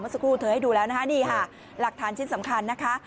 สักครู่เธอให้ดูแล้วนะคะนี่ค่ะหลักฐานชิ้นสำคัญนะคะ